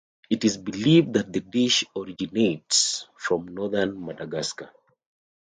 It is believed that the dish originates from northern Madagascar.